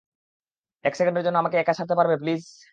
এক সেকেন্ডের জন্য আমাকে একা ছাড়তে পারবে, প্লিজ?